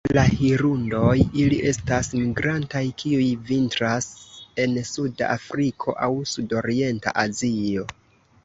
Kiel la hirundoj, ili estas migrantaj, kiuj vintras en suda Afriko aŭ sudorienta Azio.